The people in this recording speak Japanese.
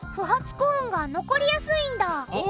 コーンが残りやすいんだお。